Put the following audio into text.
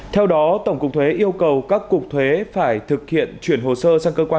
theo đó tổng cục thuế yêu cầu các cục thuế phải thực hiện chuyển hồ sơ sang cơ quan